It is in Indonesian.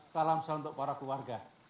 salam syah untuk para keluarga